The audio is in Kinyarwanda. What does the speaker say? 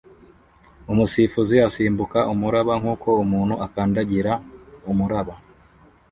Umusifuzi asimbuka umuraba nkuko umuntu akandagira umuraba